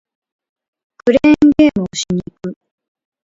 クレーンゲームをしに行く